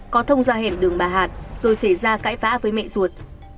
có thông ra hẻm đường bà hạt rồi xảy ra cãi vã với mẹ ruột